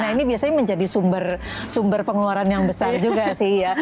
nah ini biasanya menjadi sumber pengeluaran yang besar juga sih ya